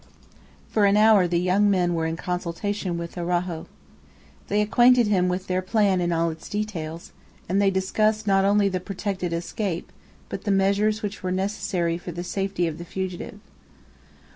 For an hour the young men were in consultation with Araujo. They acquainted him with their plan in all its details, and they discussed not only the projected escape, but the measures which were necessary for the safety of the fugitive.